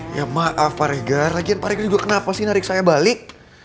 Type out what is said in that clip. ya maaf pak regar lagian pak regar juga kenapa sih narik saya balik